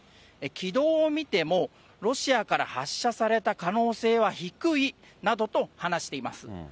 軌道を見てもロシアから発射された可能性は低いなどと話しています。